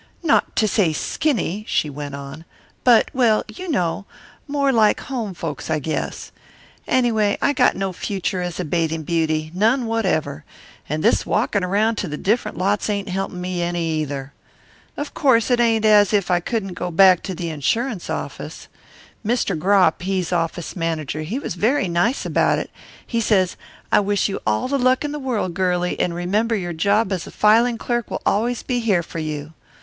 "Not to say skinny." she went on, "but well, you know more like home folks, I guess. Anyway, I got no future as a bathing beauty none whatever. And this walkin' around to the different lots ain't helpin' me any, either. Of course it ain't as if I couldn't go back to the insurance office. Mr. Gropp, he's office manager, he was very nice about it. He says, 'I wish you all the luck in the world, girlie, and remember your job as filin' clerk will always be here for you.